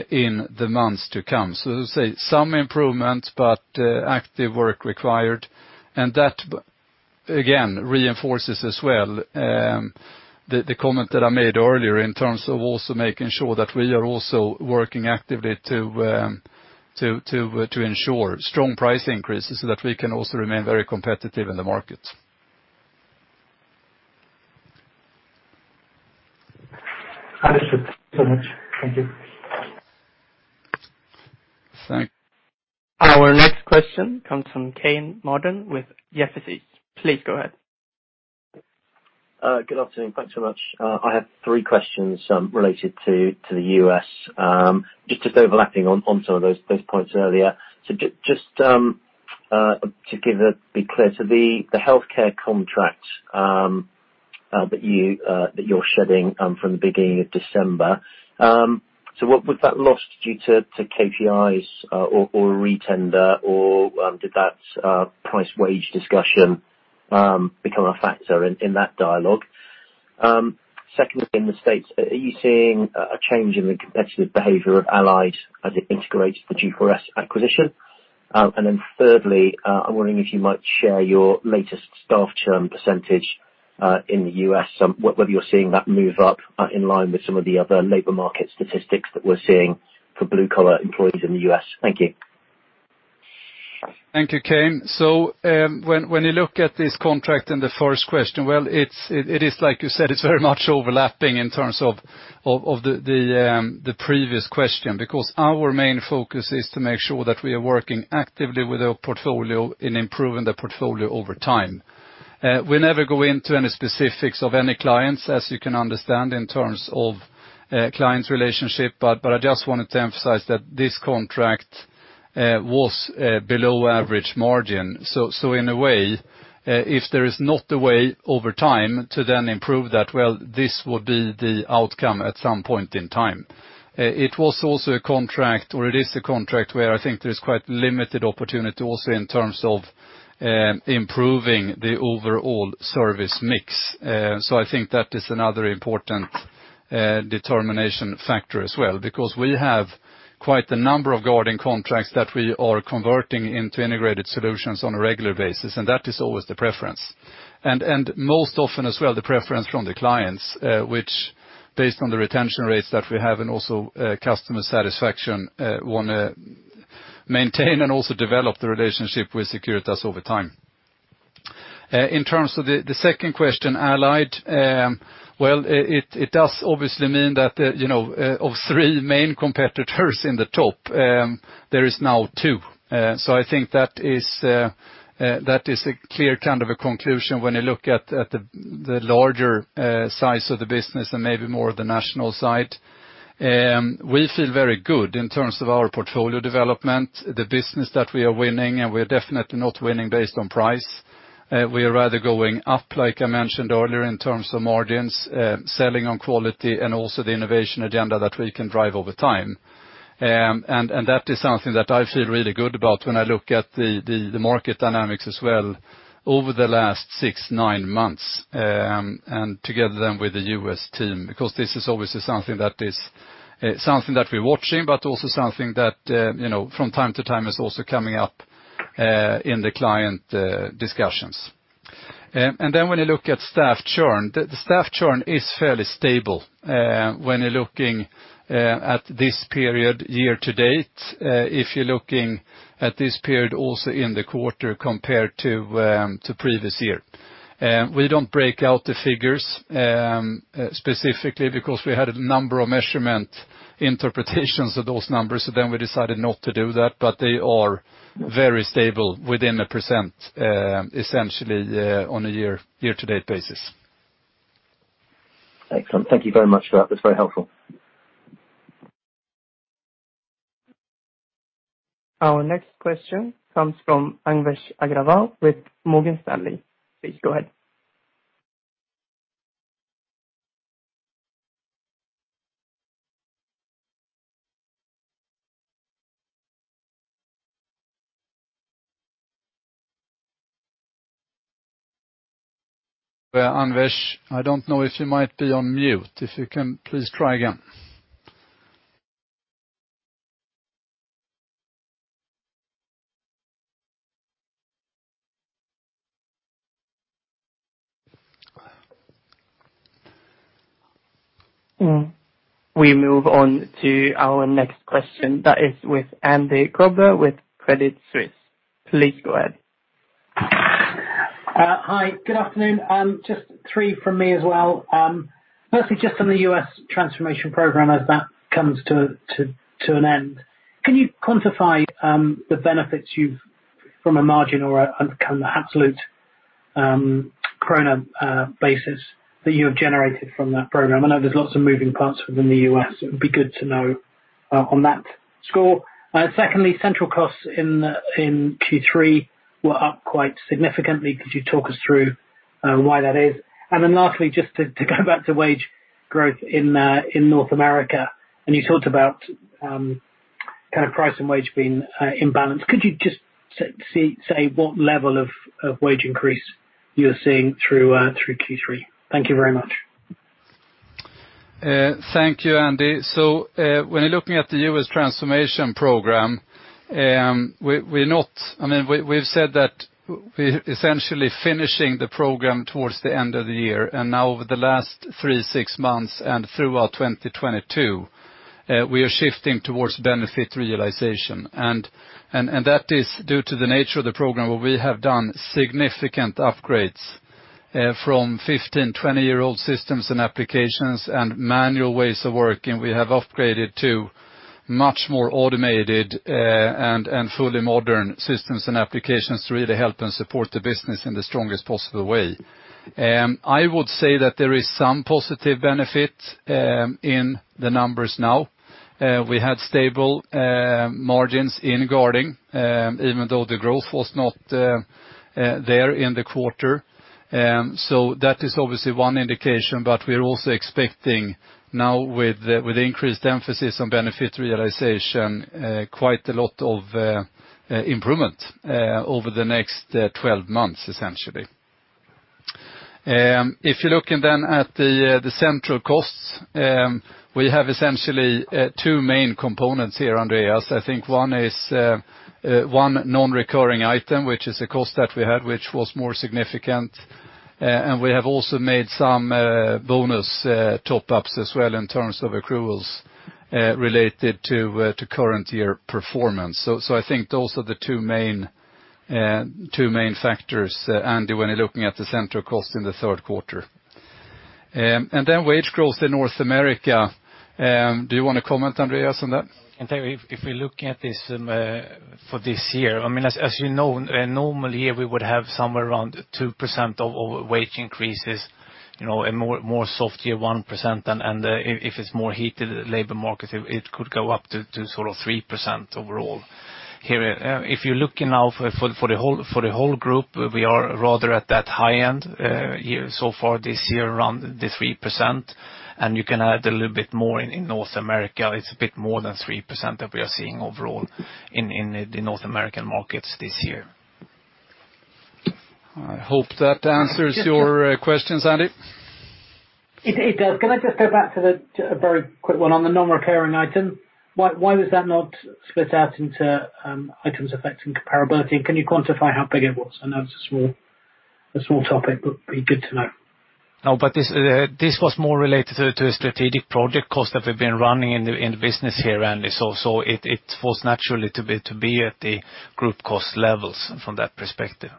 in the months to come. To say, some improvement, but active work required. That again reinforces as well, the comment that I made earlier in terms of also making sure that we are also working actively to ensure strong price increases so that we can also remain very competitive in the market. Understood so much. Thank you. Thanks. O ur next question comes from Kean Marden with Jefferies. Please go ahead. Good afternoon. Thanks so much. I have three questions related to the U.S., just overlapping on some of those points earlier. Just to be clear on the healthcare contract that you're shedding from the beginning of December—what was that loss due to KPIs or retender, or did that price wage discussion become a factor in that dialogue? Secondly, in the U.S., are you seeing a change in the competitive behavior of Allied as it integrates the G4S acquisition? Thirdly, I'm wondering if you might share your latest staff churn percentage in the U.S., whether you're seeing that move up in line with some of the other labor market statistics that we're seeing for blue-collar employees in the U.S. Thank you. Thank you, Kean. When you look at this contract in the first question, well, it is like you said, it's very much overlapping in terms of the previous question, because our main focus is to make sure that we are working actively with our portfolio in improving the portfolio over time. We never go into any specifics of any clients, as you can understand, in terms of client relationship. I just wanted to emphasize that this contract was below average margin. In a way, if there is not a way over time to then improve that, well, this would be the outcome at some point in time. It was also a contract, or it is a contract where I think there is quite limited opportunity also in terms of improving the overall service mix. So I think that is another important determination factor as well, because we have quite a number of guarding contracts that we are converting into integrated solutions on a regular basis, and that is always the preference. Most often as well, the preference from the clients, which based on the retention rates that we have and also customer satisfaction, wanna maintain and also develop the relationship with Securitas over time. In terms of the second question, Allied. Well, it does obviously mean that, you know, of three main competitors in the top, there is now two. I think that is a clear kind of a conclusion when you look at the larger size of the business and maybe more of the national side. We feel very good in terms of our portfolio development, the business that we are winning, and we're definitely not winning based on price. We are rather going up, like I mentioned earlier, in terms of margins, selling on quality and also the innovation agenda that we can drive over time. That is something that I feel really good about when I look at the market dynamics as well over the last six, nine months, and together then with the U.S. team. Because this is obviously something that we're watching, but also something that, you know, from time to time is also coming up in the client discussions. When you look at staff churn. The staff churn is fairly stable when you're looking at this period year-to-date. If you're looking at this period also in the quarter compared to previous year. We don't break out the figures specifically because we had a number of measurement interpretations of those numbers. We decided not to do that, but they are very stable within 1%, essentially, on a year-to-date basis. Excellent. Thank you very much for that. That's very helpful. Our next question comes from Anvesh Agrawal with Morgan Stanley. Please go ahead. Anvesh, I don't know if you might be on mute. If you can please try again. We move on to our next question. That is with Andy Grobler with Credit Suisse. Please go ahead. Hi, good afternoon. Just three from me as well. First, just on the U.S. transformation program as that comes to an end. Can you quantify the benefits you've from a margin or absolute krona basis that you have generated from that program? I know there's lots of moving parts within the U.S., it would be good to know on that score. Second, central costs in Q3 were up quite significantly. Could you talk us through why that is? Lastly, just to go back to wage growth in North America. You talked about kind of price and wage being imbalanced. Could you just say what level of wage increase you are seeing through Q3? Thank you very much. Thank you, Andy. When you're looking at the U.S. transformation program, I mean, we've said that we're essentially finishing the program towards the end of the year, and now over the last 3-6 months and throughout 2022, we are shifting towards benefit realization. That is due to the nature of the program where we have done significant upgrades from 15- and 20-year-old systems and applications and manual ways of working. We have upgraded to much more automated and fully modern systems and applications to really help and support the business in the strongest possible way. I would say that there is some positive benefit in the numbers now. We had stable margins in guarding even though the growth was not there in the quarter. That is obviously one indication, but we're also expecting now with increased emphasis on benefit realization, quite a lot of improvement over the next 12 months, essentially. If you're looking then at the central costs, we have essentially two main components here, Andreas. I think one is one non-recurring item, which is a cost that we had, which was more significant. We have also made some bonus top-ups as well in terms of accruals related to current year performance. I think those are the two main factors, Andy, when you're looking at the central cost in the third quarter. Wage growth in North America, do you wanna comment, Andreas, on that? I can tell you if we look at this, for this year, I mean, as you know, in a normal year, we would have somewhere around 2% of our wage increases, you know, a more soft year, 1%. If it's more heated labor market, it could go up to sort of 3% overall. Here, if you're looking now for the whole group, we are rather at that high end, here so far this year, around the 3%, and you can add a little bit more in North America. It's a bit more than 3% that we are seeing overall in the North American markets this year. I hope that answers your questions, Andy. It does. Can I just go back to a very quick one on the non-recurring item? Why was that not split out into items affecting comparability? Can you quantify how big it was? I know it's a small topic, but be good to know. No, this was more related to a strategic project cost that we've been running in the business here, Andy. It falls naturally to be at the group cost levels from that perspective.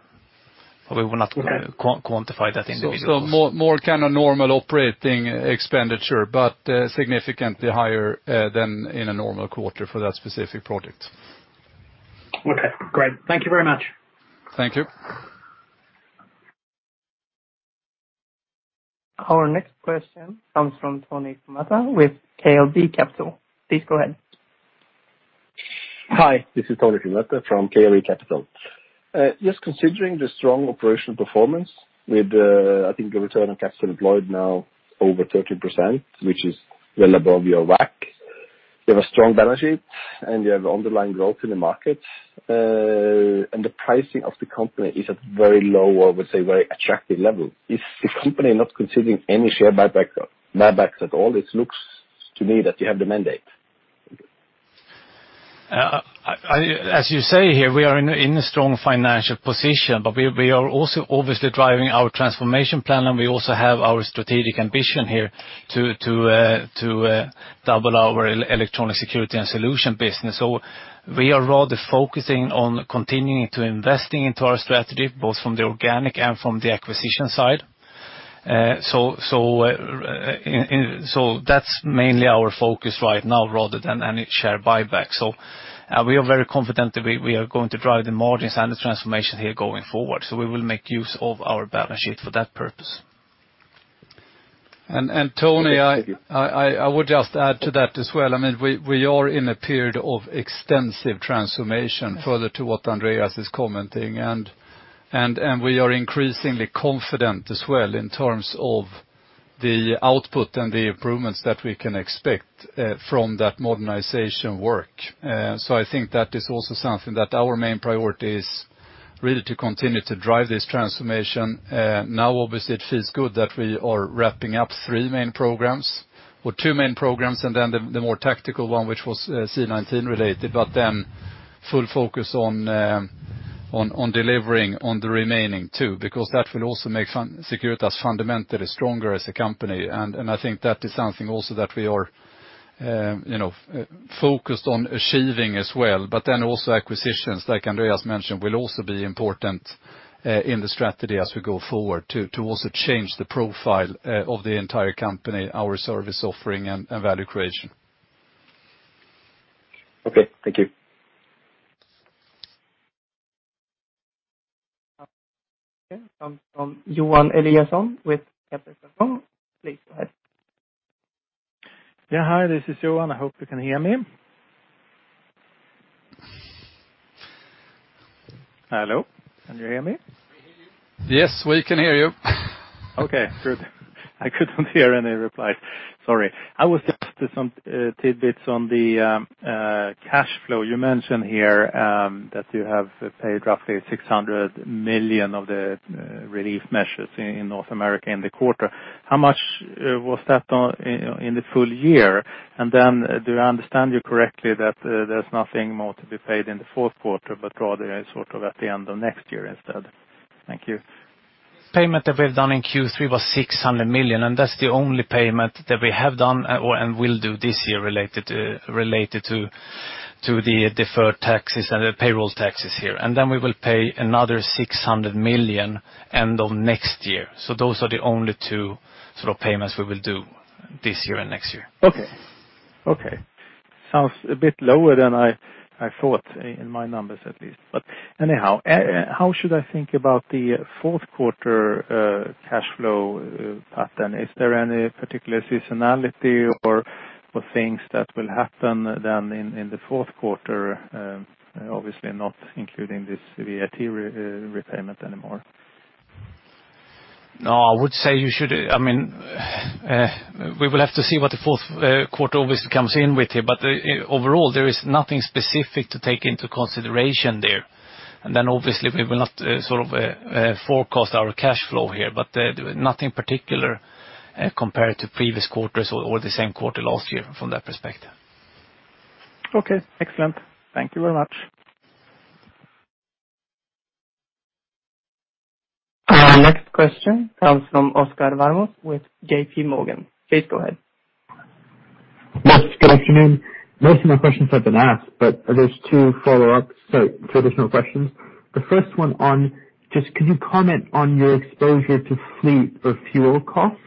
We will not quantify that individually. More kind of normal operating expenditure, but significantly higher than in a normal quarter for that specific project. Okay, great. Thank you very much. Thank you. Our next question comes from Tony Tamata with KLD Capital. Please go ahead. Hi, this is Tony Tamata from KLD Capital. Just considering the strong operational performance with, I think the return on capital employed now over 13%, which is well above your WACC. You have a strong balance sheet, and you have underlying growth in the market, and the pricing of the company is at very low or, I would say, very attractive level. Is the company not considering any share buyback, buybacks at all? It looks to me that you have the mandate. Thank you. As you say, here we are in a strong financial position, but we are also obviously driving our transformation plan, and we also have our strategic ambition here to double our electronic security and solution business. We are rather focusing on continuing to investing into our strategy, both from the organic and from the acquisition side. That's mainly our focus right now rather than any share buyback. We are very confident that we are going to drive the margins and the transformation here going forward. We will make use of our balance sheet for that purpose. Tony, I would just add to that as well. I mean, we are in a period of extensive transformation further to what Andreas is commenting. We are increasingly confident as well in terms of the output and the improvements that we can expect from that modernization work. I think that is also something that our main priority is really to continue to drive this transformation. Now, obviously, it feels good that we are wrapping up three main programs or two main programs, and then the more tactical one, which was C-19 related. Full focus on delivering on the remaining two, because that will also make Securitas fundamentally stronger as a company. I think that is something also that we are, you know, focused on achieving as well. also acquisitions, like Andreas mentioned, will also be important in the strategy as we go forward to also change the profile of the entire company, our service offering, and value creation. Okay, thank you. Okay. From Johan Eliason with Kepler Cheuvreux. Please go ahead. Yeah. Hi, this is Johan. I hope you can hear me. Hello? Can you hear me? Yes, we can hear you. Okay, good. I couldn't hear any replies. Sorry. I was just some tidbits on the cash flow. You mentioned here that you have paid roughly 600 million of the relief measures in North America in the quarter. How much was that in the full year? And then do I understand you correctly that there's nothing more to be paid in the fourth quarter, but rather sort of at the end of next year instead? Thank you. Payment that we've done in Q3 was 600 million, and that's the only payment that we have done and will do this year related to the deferred taxes and the payroll taxes here. We will pay another 600 million end of next year. Those are the only two sort of payments we will do this year and next year. Okay. Sounds a bit lower than I thought in my numbers at least. Anyhow, how should I think about the fourth quarter cash flow pattern? Is there any particular seasonality or things that will happen then in the fourth quarter, obviously not including this VAT repayment anymore? No, I would say I mean, we will have to see what the fourth quarter obviously comes in with here, but overall, there is nothing specific to take into consideration there. Then obviously we will not sort of forecast our cash flow here, but nothing particular compared to previous quarters or the same quarter last year from that perspective. Okay, excellent. Thank you very much. Our next question comes from Oscar Val-Mas with J.P. Morgan. Please go ahead. Yes, good afternoon. Most of my questions have been asked, but there's 2 follow-ups. Traditional questions. The first one is just, could you comment on your exposure to fleet or fuel costs?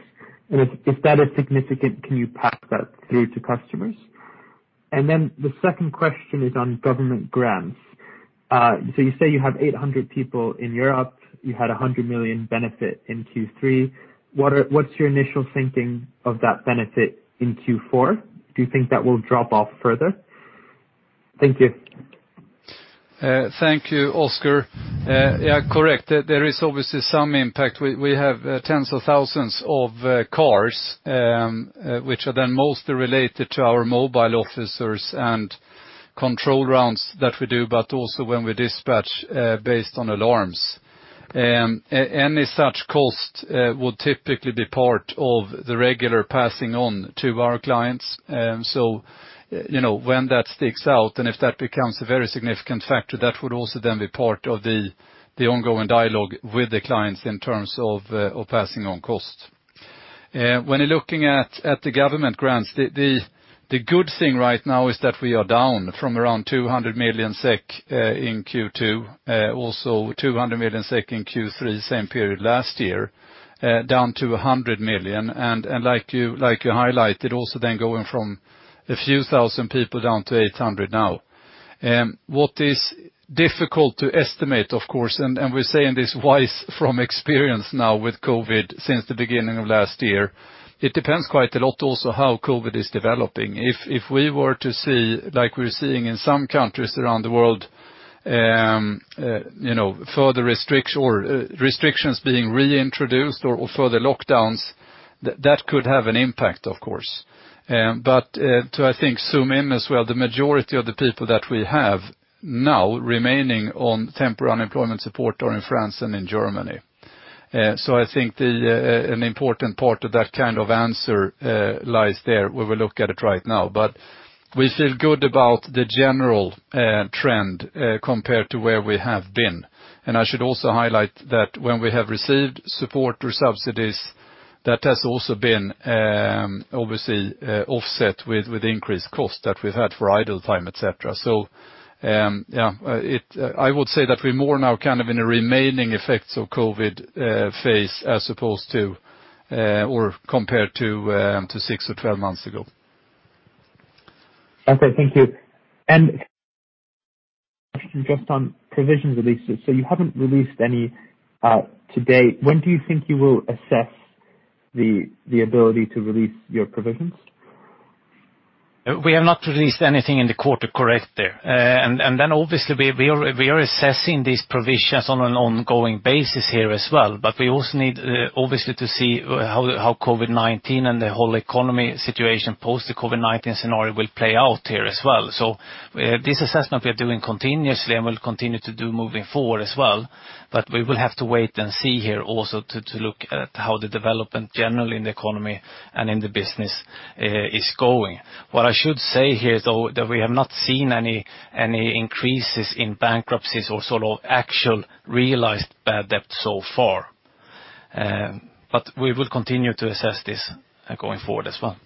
And if that is significant, can you pass that through to customers? The second question is on government grants. You say you have 800 people in Europe. You had a 100 million benefit in Q3. What's your initial thinking of that benefit in Q4? Do you think that will drop off further? Thank you. Thank you, Oscar. Yeah, correct. There is obviously some impact. We have tens of thousands of cars, which are then mostly related to our mobile officers and control rounds that we do, but also when we dispatch based on alarms. Any such cost would typically be part of the regular passing on to our clients. When that sticks out, and if that becomes a very significant factor, that would also then be part of the ongoing dialogue with the clients in terms of passing on costs. When you're looking at the government grants, the good thing right now is that we are down from around 200 million SEK in Q2, also 200 million SEK in Q3 same period last year, down to 100 million. Like you highlighted also then going from a few thousand people down to 800 now. What is difficult to estimate, of course, and we're saying this based on experience now with COVID since the beginning of last year, it depends quite a lot also on how COVID is developing. If we were to see, like we're seeing in some countries around the world, you know, further restrictions being reintroduced or further lockdowns, that could have an impact, of course. But to zoom in as well, I think, the majority of the people that we have now remaining on temporary unemployment support are in France and in Germany. I think an important part of that kind of answer lies there when we look at it right now. We feel good about the general trend compared to where we have been. I should also highlight that when we have received support or subsidies, that has also been obviously offset with increased cost that we've had for idle time, et cetera. Yeah, it I would say that we're more now kind of in a remaining effects of COVID phase as opposed to or compared to six or 12 months ago. Okay, thank you. Just on provisions releases. You haven't released any today. When do you think you will assess the ability to release your provisions? We have not released anything in the quarter, correct there. Then obviously we are assessing these provisions on an ongoing basis here as well, but we also need obviously to see how COVID-19 and the whole economy situation post the COVID-19 scenario will play out here as well. This assessment we are doing continuously and will continue to do moving forward as well, but we will have to wait and see here also to look at how the development generally in the economy and in the business is going. What I should say here, though, that we have not seen any increases in bankruptcies or sort of actual realized bad debt so far. We will continue to assess this going forward as well.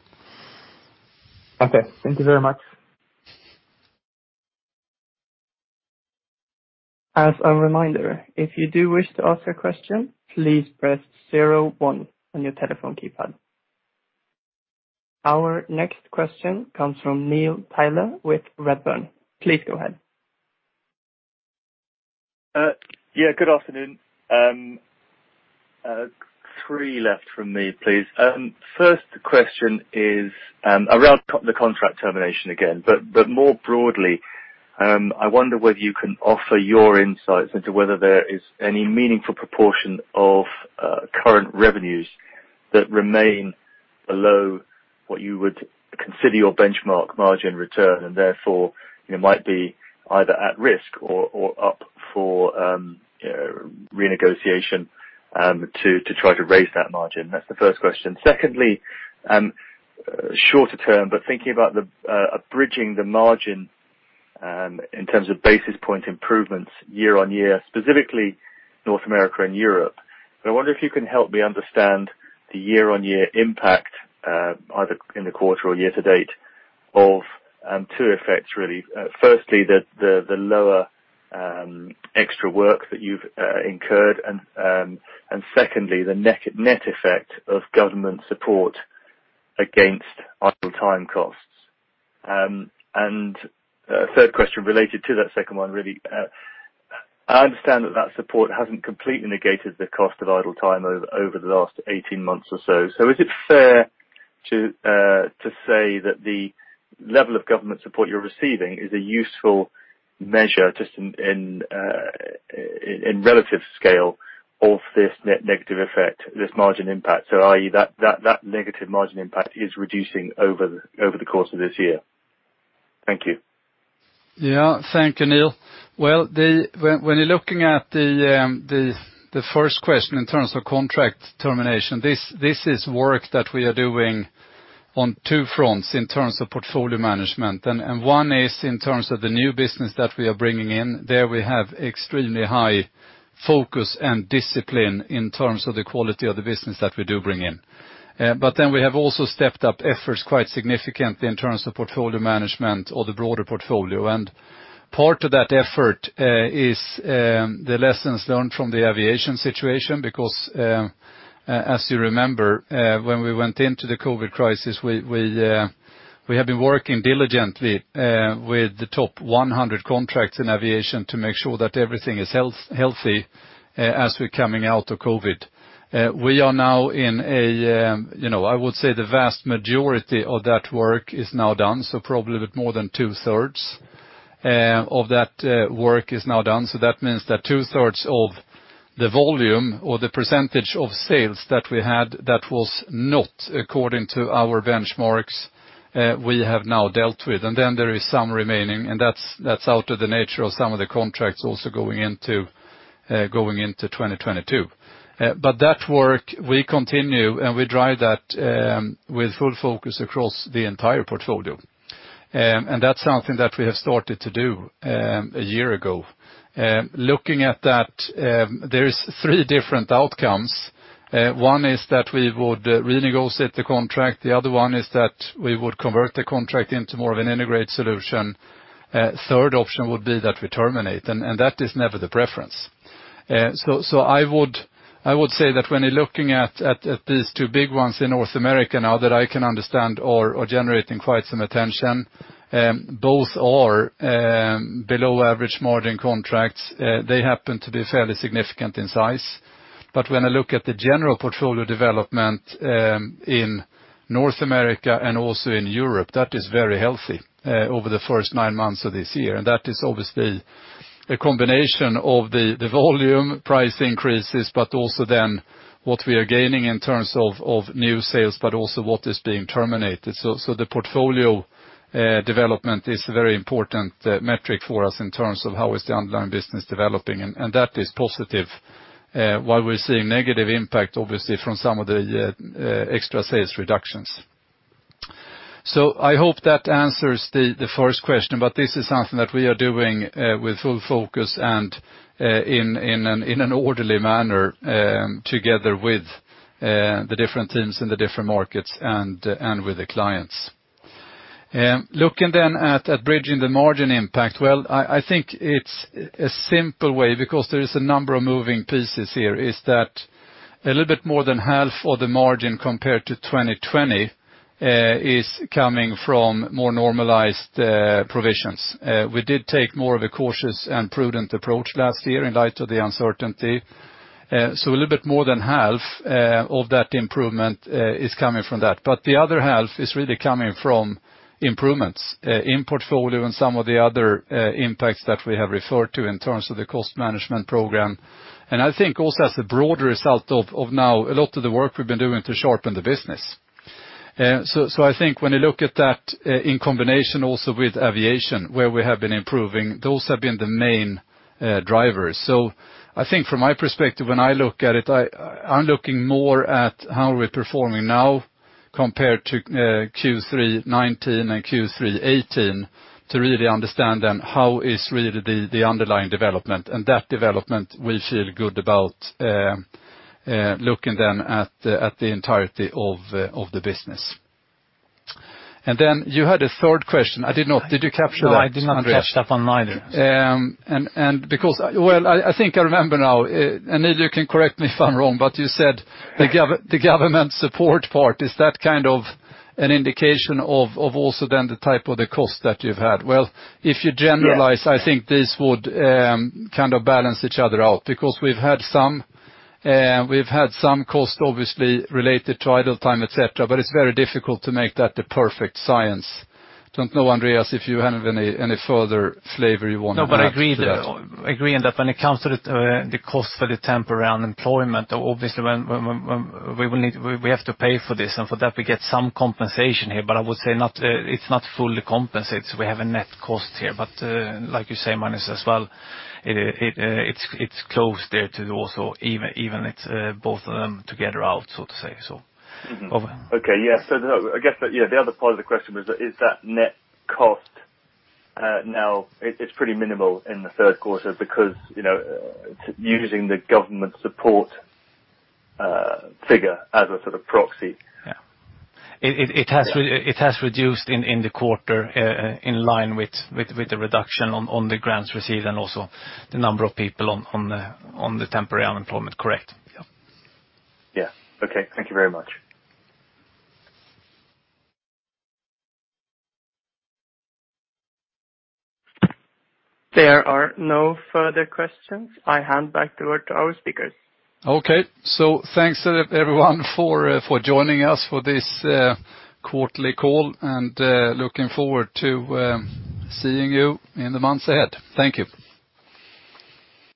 Okay. Thank you very much. As a reminder, if you do wish to ask a question, please press 01 on your telephone keypad. Our next question comes from Neil Tyler with Redburn. Please go ahead. Yeah, good afternoon. Three left from me, please. First question is around the contract termination again, but more broadly, I wonder whether you can offer your insights into whether there is any meaningful proportion of current revenues that remain below what you would consider your benchmark margin return, and therefore it might be either at risk or up for renegotiation to try to raise that margin. That's the first question. Secondly, shorter term, but thinking about bridging the margin in terms of basis point improvements year-on-year, specifically North America and Europe. I wonder if you can help me understand the year-on-year impact, either in the quarter or year-to-date, of two effects, really. Firstly, the lower extra work that you've incurred, and secondly, the net effect of government support against idle time costs. A third question related to that second one, really. I understand that that support hasn't completely negated the cost of idle time over the last 18 months or so. Is it fair to say that the level of government support you're receiving is a useful measure just in relative scale of this negative effect, this margin impact? i.e., that negative margin impact is reducing over the course of this year. Thank you. Yeah. Thank you, Neil. When you're looking at the first question in terms of contract termination, this is work that we are doing on two fronts in terms of portfolio management. One is in terms of the new business that we are bringing in. There we have extremely high focus and discipline in terms of the quality of the business that we do bring in. We have also stepped up efforts quite significantly in terms of portfolio management or the broader portfolio. Part of that effort is the lessons learned from the aviation situation, because as you remember, when we went into the COVID crisis, we have been working diligently with the top 100 contracts in aviation to make sure that everything is healthy as we're coming out of COVID. We are now, I would say the vast majority of that work is now done, so probably a bit more than two-thirds of that work is now done. That means that two-thirds of the volume or the percentage of sales that we had that was not according to our benchmarks, we have now dealt with. There is some remaining, and that's out of the nature of some of the contracts also going into 2022. That work we continue, and we drive that with full focus across the entire portfolio. That's something that we have started to do a year ago. Looking at that, there is three different outcomes. One is that we would renegotiate the contract. The other one is that we would convert the contract into more of an integrated solution. Third option would be that we terminate, and that is never the preference. I would say that when you're looking at these two big ones in North America now that I can understand are generating quite some attention, both are below average margin contracts. They happen to be fairly significant in size. When I look at the general portfolio development in North America and also in Europe, that is very healthy over the first nine months of this year. That is obviously a combination of the volume price increases, but also then what we are gaining in terms of new sales, but also what is being terminated. The portfolio development is a very important metric for us in terms of how is the underlying business developing, and that is positive while we're seeing negative impact, obviously, from some of the extra sales reductions. I hope that answers the first question, this is something that we are doing with full focus and in an orderly manner together with the different teams in the different markets and with the clients. Looking at bridging the margin impact, I think it's a simple way because there is a number of moving pieces here, is that a little bit more than half of the margin compared to 2020 is coming from more normalized provisions. We did take more of a cautious and prudent approach last year in light of the uncertainty. A little bit more than half of that improvement is coming from that. The other half is really coming from improvements in portfolio and some of the other impacts that we have referred to in terms of the cost management program. I think also as a broad result of now a lot of the work we've been doing to sharpen the business. I think when you look at that in combination also with aviation, where we have been improving, those have been the main drivers. I think from my perspective, when I look at it, I'm looking more at how we're performing now compared to Q3 2019 and Q3 2018 to really understand then how is really the underlying development. That development we feel good about looking then at the entirety of the business. You had a third question. Did you capture that, Andreas? No, I did not catch that one either. Well, I think I remember now. Neil, you can correct me if I'm wrong, but you said the government support part, is that kind of an indication of also then the type of the cost that you've had? Well, if you generalize- Yeah. I think this would kind of balance each other out because we've had some cost obviously related to idle time, et cetera, but it's very difficult to make that a perfect science. Don't know, Andreas, if you have any further flavor you want to add to that. No, but I agree that and that when it comes to the cost for the temporary unemployment, obviously when we will need. We have to pay for this, and for that we get some compensation here. I would say not, it's not fully compensated, so we have a net cost here. Like you say, Manus, as well, it's close there to also even it's both of them together out, so to say so. Over. I guess the other part of the question was: Is that net cost now it's pretty minimal in the third quarter because you know using the government support figure as a sort of proxy. Yeah. It has- Yeah. It has reduced in the quarter, in line with the reduction on the grants received and also the number of people on the temporary unemployment. Correct. Yeah. Yeah. Okay. Thank you very much. There are no further questions. I hand back over to our speakers. Okay. Thanks to everyone for joining us for this quarterly call, and looking forward to seeing you in the months ahead. Thank you.